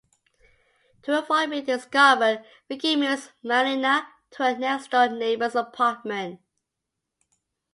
To avoid being discovered, Ricky moves Marina to her next door neighbor's apartment.